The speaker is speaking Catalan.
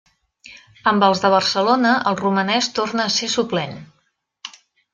Amb els de Barcelona, el romanès torna a ser suplent.